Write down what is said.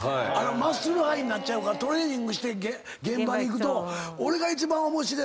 マッスルハイになっちゃうからトレーニングして現場に行くと。と思うなんねんて。